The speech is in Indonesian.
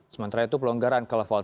sementara itu pelonggaran ke level tiga